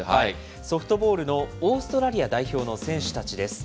ソフトボールのオーストラリア代表の選手たちです。